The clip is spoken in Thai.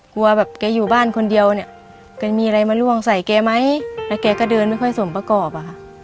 กลัวแบบแกอยู่บ้านคนเดียวเนี่ยแกมีอะไรมาล่วงใส่แกไหมแล้วแกก็เดินไม่ค่อยสมประกอบอะค่ะ